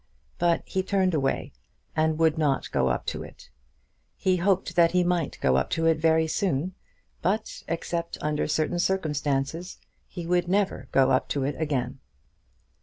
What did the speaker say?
But he turned away, and would not go up to it. He hoped that he might go up to it very soon, but, except under certain circumstances, he would never go up to it again.